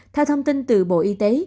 theo thông tin từ bộ y tế